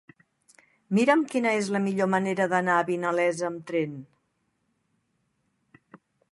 Mira'm quina és la millor manera d'anar a Vinalesa amb tren.